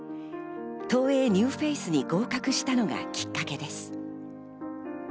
東映ニューフェイスに合格したのがきっかけです。